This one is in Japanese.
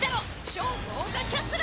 超豪華キャッスル！